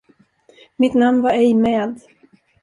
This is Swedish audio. Mitt namn var ej med.